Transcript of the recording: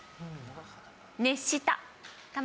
熱した卵。